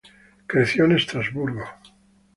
Creció en Estrasburgo.